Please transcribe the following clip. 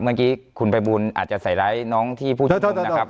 เมื่อกี้คุณภัยบุญอาจจะใส่ไลค์น้องที่พูดถึงนะครับ